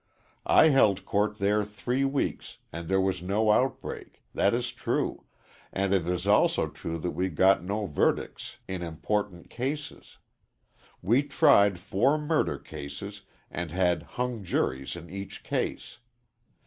I held court there three weeks, and there was no outbreak, that is true, and it is also true that we got no verdicts in important cases. We tried four murder cases and had hung juries in each case.